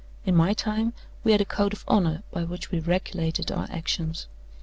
In my time, we had a code of honor by which we regulated our actions.